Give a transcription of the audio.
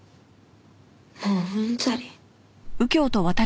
もううんざり。